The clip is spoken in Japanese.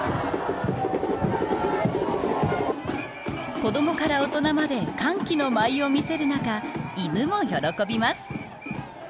子どもから大人まで歓喜の舞を見せる中犬も喜びます。